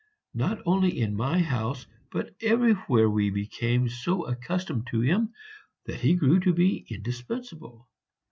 Not only in my house but everywhere we became so accustomed to him that he grew to be indispensable.